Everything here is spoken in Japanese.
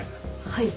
はい。